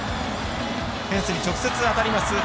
フェンスに直接当たります